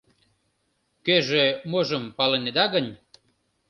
Кӧжӧ, можым палынеда гынь